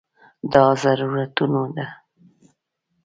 دا ضرورتونو ده.